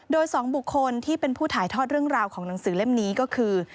โดย๒บุคคลที่เป็นผู้ถ่ายทอดเรื่องราวของหนังสือเล่มนี้ก็คือ